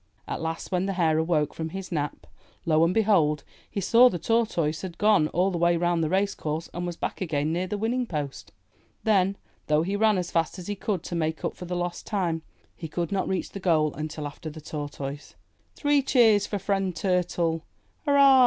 At last, when the Hare awoke from his nap, lo and behold! he saw the Tortoise had gone all the way round the race course and was back again near the winning post. Then, though he ran as fast as he could to make up for lost time, he could not reach the goal until after the Tortoise. 'Three cheers for Friend Turtle! Hurrah!